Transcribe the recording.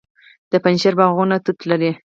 د پنجشیر باغونه توت لري.